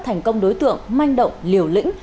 thành công đối tượng manh động liều lĩnh